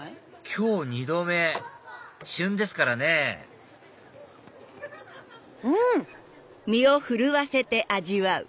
今日２度目旬ですからねうん！